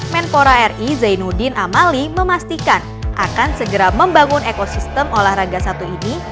menpora ri zainuddin amali memastikan akan segera membangun ekosistem olahraga satu ini